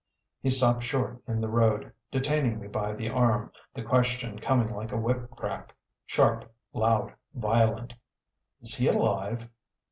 He stopped short in the road, detaining me by the arm, the question coming like a whip crack: sharp, loud, violent. "Is he alive?"